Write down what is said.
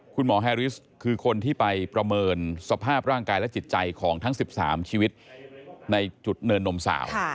แฮริสคือคนที่ไปประเมินสภาพร่างกายและจิตใจของทั้ง๑๓ชีวิตในจุดเนินนมสาว